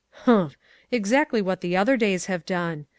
"Humph! Exactly what the other days have done.